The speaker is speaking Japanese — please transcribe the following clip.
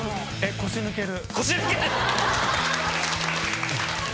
腰抜ける。